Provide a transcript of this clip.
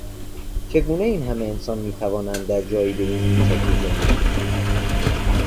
چگونه این همه انسان می توانند در جایی به این کوچکی زندگی کنند؟